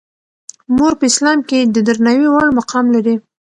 مور په اسلام کې د درناوي وړ مقام لري.